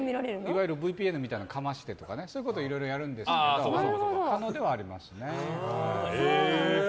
いわゆるＶＰＮみたいなのをかませてそういうのをやるんですけど可能ではありますね。